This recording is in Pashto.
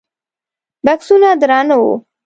بکسونه درانه وو.